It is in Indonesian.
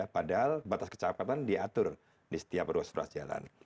padahal batas kecamatan diatur di setiap ruas ruas jalan